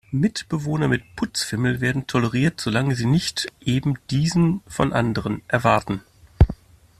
Mitbewohner mit Putzfimmel werden toleriert, solange sie nicht eben diesen von anderen erwarten.